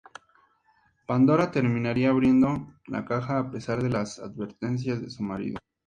Pandora terminaría abriendo la caja a pesar de las advertencias de su marido.